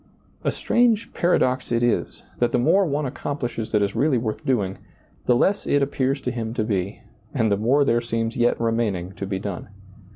A strange paradox it is, that the more one ac complishes that is really worth doing, the less it appears to him to be and the more there seems yet remaining to be done.